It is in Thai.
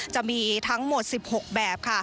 จะมีทั้งหมด๑๖แบบค่ะ